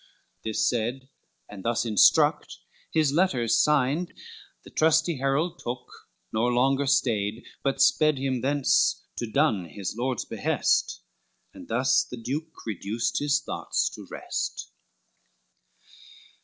This said, and thus instruct, his letters signed The trusty herald took, nor longer stayed, But sped him thence to done his Lord's behest, And thus the Duke reduced his thoughts to rest.